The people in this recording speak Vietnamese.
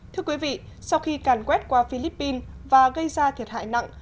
thưa quý vị sau khi càn quét qua philippines và gây ra thiệt hại nặng